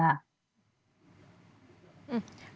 bagaimana cara ini bisa dikawal oleh konsumen